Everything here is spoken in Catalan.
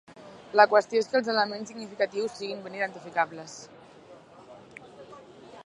La qüestió és que els elements significatius siguin ben identificables.